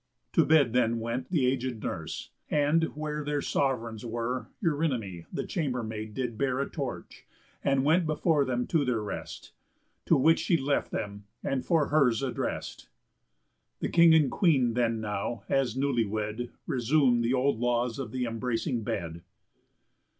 To bed then went The aged nurse; and, where their sov'reigns were, Eurynomé, the chambermaid, did bear A torch, and went before them to their rest; To which she left them and for her's addrest. The King and Queen then now, as newly wed, Resum'd the old laws of th' embracing bed.